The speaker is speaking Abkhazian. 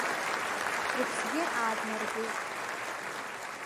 Рыԥсгьы ааднаргеит.